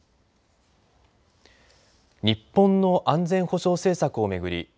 日本の安全保障政策を巡り